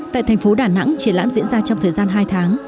tại thành phố đà nẵng triển lãm diễn ra trong thời gian hai tháng